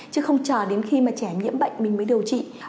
chứ không chờ đến khi mà trẻ nhiễm bệnh mình mới điều trị